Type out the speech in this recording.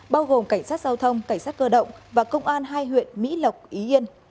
bao gồm cảnh sát giao thông cảnh sát cơ động và công an hai huyện mỹ lộc ý yên